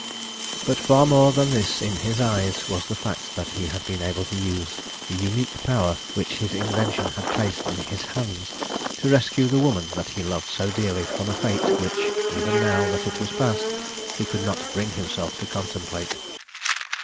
But far more than this in his eyes was the fact that he had been able to use the unique power which his invention had placed in his hands, to rescue the woman that he loved so dearly from a fate which, even now that it was past, he could not bring himself to contemplate.